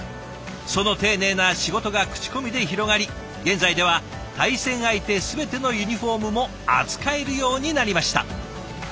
その丁寧な仕事が口コミで広がり現在では対戦相手全てのユニフォームも扱えるようになりました。